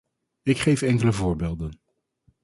Ik geef enkele voorbeelden.